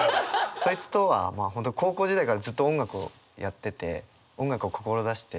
そいつとは本当高校時代からずっと音楽をやってて音楽を志して。